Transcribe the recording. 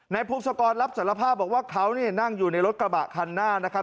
พงศกรรับสารภาพบอกว่าเขานั่งอยู่ในรถกระบะคันหน้านะครับ